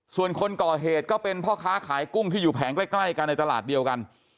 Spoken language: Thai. ส่วนคนก่อเหตุก็เป็นพ่อค้าขายกุ้งที่อยู่แผงใกล้กันในตลาดเดียวกัน